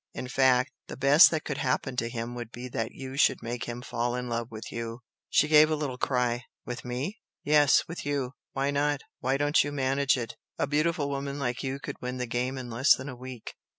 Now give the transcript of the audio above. In fact, the best that could happen to him would be that you should make him fall in love with YOU!" She gave a little cry. "With ME?" "Yes, with you! Why not? Why don't you manage it? A beautiful woman like you could win the game in less than a week?"